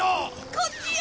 こっちへ！